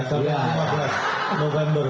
sampai lima belas november ya